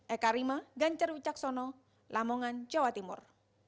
eka rima ganjar wicaksono lamongan jawa timur